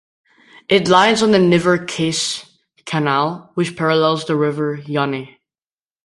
It lies on the Nivernais Canal, which parallels the river Yonne.